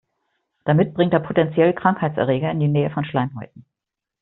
Damit bringt er potenziell Krankheitserreger in die Nähe von Schleimhäuten.